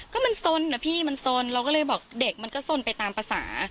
ก็มันสนนะพี่มันสนเราก็เลยบอกเด็กมันก็สนไปตามภาษา